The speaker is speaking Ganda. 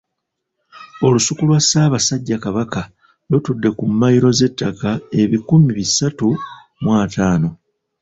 Olusuku lwa Ssaabasajja Kabaka lutudde ku mmayiro z'ettaka ebikumi bisatu mu ataano.